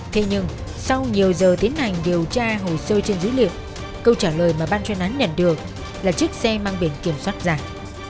thế nhưng sau nhiều giờ tiến hành điều tra hồ sơ trên dữ liệu câu trả lời mà ban chuyên án nhận được là chiếc xe mang biển kiểm soát giả